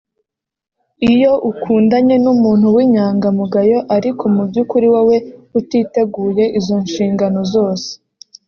Iyo ukundanye n’umuntu w’inyangamugayo ariko mu by’ukuri wowe utiteguye izo nshingano zose